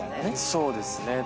そうですね。